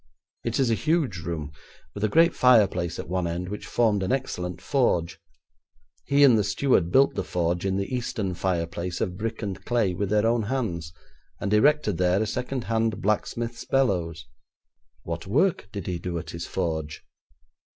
It is a huge room, with a great fireplace at one end which formed an excellent forge. He and the steward built the forge in the eastern fireplace of brick and clay, with their own hands, and erected there a second hand blacksmith's bellows.' 'What work did he do at his forge?'